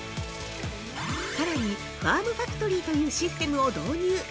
さらに、ファームファクトリーというシステムを導入。